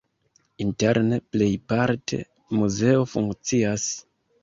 Interne plejparte muzeo funkcias.